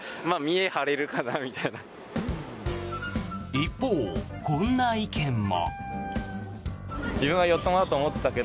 一方、こんな意見も。